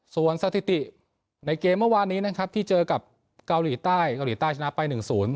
ส่วนสถิติในเกมเมื่อวานนี้นะครับที่เจอกับเกาหลีใต้เกาหลีใต้ชนะไปหนึ่งศูนย์